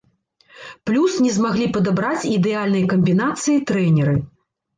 Плюс не змаглі падабраць ідэальныя камбінацыі трэнеры.